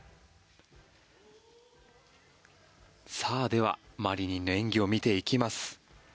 ではマリニンの演技を見ていきます。